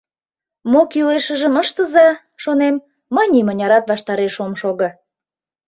— Мо кӱлешыжым ыштыза, шонем, мый нимынярат ваштареш ом шого.